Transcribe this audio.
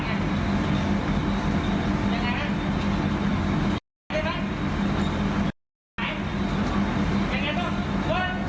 เหล่ายิงคุณสาว